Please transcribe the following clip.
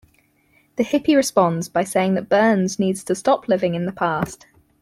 The hippie responds by saying that Burns needs to stop living in the past.